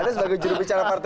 ada sebagai jurubicara partai